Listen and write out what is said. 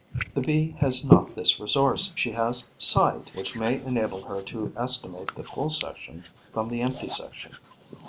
The Bee has not this resource; she has sight, which may enable her to estimate the full section from the empty section.